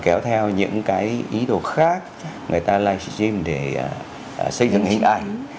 kéo theo những cái ý đồ khác người ta livestream để xây dựng hình ảnh